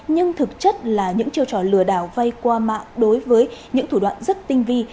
nhưng thực chất là những chiêu trò lừa đảo vay qua mạng đối với những thủ đoạn rất tinh vi